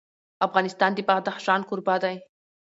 افغانستان د بدخشان کوربه دی.